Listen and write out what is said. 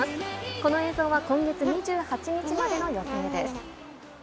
この映像は今月２８日までの予定です。